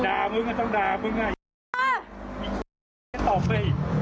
ด่ามึงก็ต้องด่ามึงไงอ่ามีต่อไป